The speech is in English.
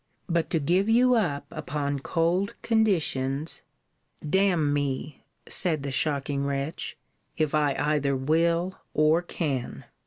But to give you up upon cold conditions, d n me [said the shocking wretch] if I either will, or can!